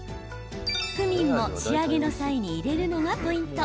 クミンも仕上げの際に入れるのがポイント。